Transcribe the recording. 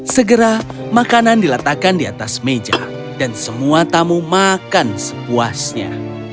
segera makanan diletakkan di atas meja dan semua tamu makan sepuasnya